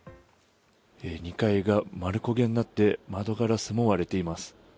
２階が丸焦げになって窓ガラスも割れています。